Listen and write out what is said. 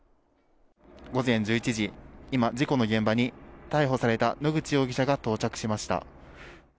午前１１時、今、事故の現場に逮捕された野口容疑者が到着しました。